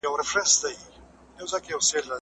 چي د بام تازه هوا یې تر سږمو سوه